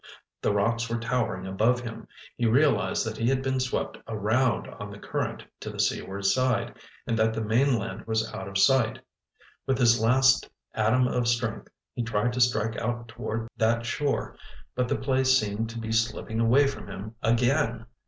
The rocks were towering above him. He realized that he had been swept around on the current to the seaward side, and that the mainland was out of sight. With his last atom of strength, he tried to strike out toward that shore, but the place seemed to be slipping away from him again.